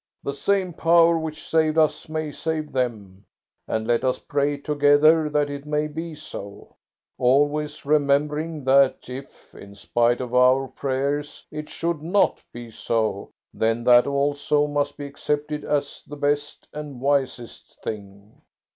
The same Power which saved us may save them, and let us pray together that it may be so, always remembering that if, in spite of our prayers, it should not be so, then that also must be accepted as the best and wisest thing."